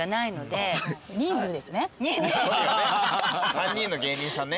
３人の芸人さんね。